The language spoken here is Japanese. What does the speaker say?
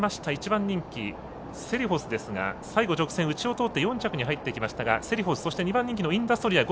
１番人気セリフォスですが最後、内を通って４着に入ってきましたがセリフォス、２番人気のインダストリア。